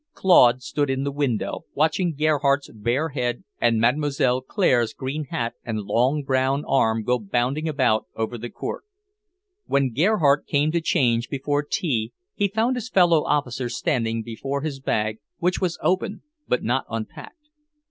Claude stood in the window, watching Gerhardt's bare head and Mlle. Claire's green hat and long brown arm go bounding about over the court. When Gerhardt came to change before tea, he found his fellow officer standing before his bag, which was open, but not unpacked.